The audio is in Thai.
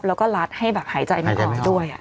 แล้วก็รัดให้แบบหายใจมาก่อนด้วย